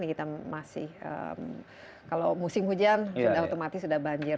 kalau musim hujan sudah otomatis sudah banjir